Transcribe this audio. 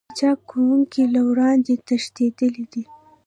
قاچاق کوونکي له وړاندې تښتېدلي دي